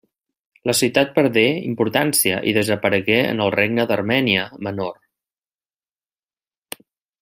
La ciutat perdé importància i desaparegué amb el Regne d'Armènia Menor.